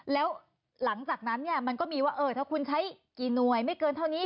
แล้วหลังจากนั้นเนี่ยมันก็มีว่าถ้าคุณใช้กี่หน่วยไม่เกินเท่านี้